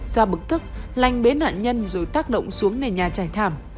do bực tức lành bế nạn nhân rồi tác động xuống nền nhà trải thảm